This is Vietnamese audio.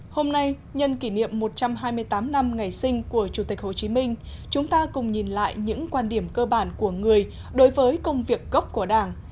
hôm nay nhân kỷ niệm một trăm hai mươi tám năm ngày sinh của chủ tịch hồ chí minh chúng ta cùng nhìn lại những quan điểm cơ bản của người đối với công việc gốc của đảng